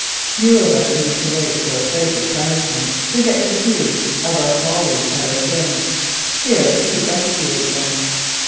Few of us need to wait for a place of punishment to get the due of our follies and our sins. Here we expiate them.